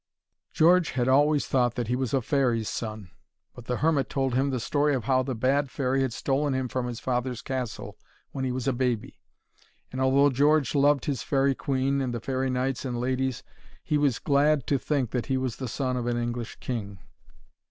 George had always thought that he was a fairy's son, but the hermit told him the story of how the bad fairy had stolen him from his father's castle when he was a baby. And although George loved his Faerie Queen and the fairy knights and ladies, he was glad to think that he was the son of an English king.